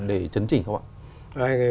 để chấn chỉnh không ạ